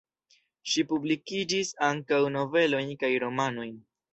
Ŝi publikigis ankaŭ novelojn, kaj romanojn.